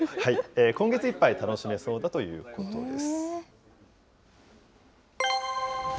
今月いっぱい楽しめそうだということです。